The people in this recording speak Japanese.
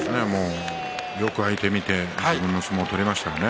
よく相手を見て自分の相撲を取りましたね。